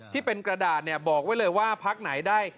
ที่เป็นกระดาษบอกไว้เลยว่าพักไหนได้